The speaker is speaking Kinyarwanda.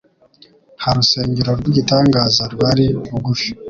Nta rusengero rw'igitangaza rwari bugufi,